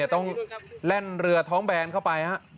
ต้องแล่นเรือท้องแบนเข้าไป